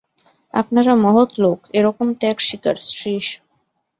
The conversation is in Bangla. আপনারা মহৎ লোক– এরকম ত্যাগস্বীকার– শ্রীশ।